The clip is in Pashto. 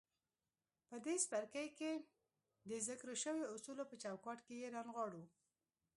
په دې څپرکي کې د ذکر شويو اصولو په چوکاټ کې يې رانغاړو.